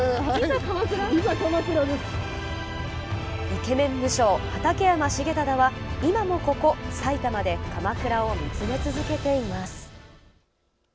イケメン武将・畠山重忠は今もここ埼玉で鎌倉を見つめ続けています。